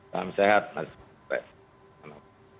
salam sehat mas